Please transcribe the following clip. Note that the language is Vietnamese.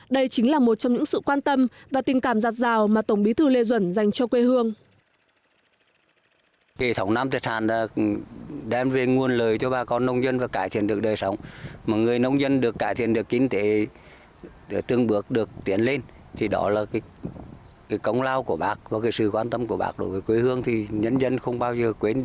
đây chính là một trong những sự quan tâm và tình cảm rạt rào mà tổng bí thư lê duẩn dành cho quê hương